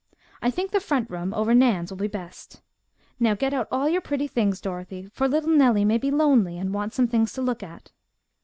I think the front room over Nan's will be best. Now get out all your pretty things, Dorothy, for little Nellie may be lonely and want some things to look at."